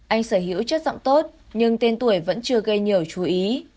anh sở hữu chất giọng tốt nhưng tên tuổi vẫn chưa gây nhiều chú ý